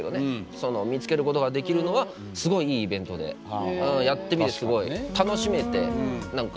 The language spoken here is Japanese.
その見つけることができるのはすごいいいイベントでやってみてすごいベッキーは改めてどうですか？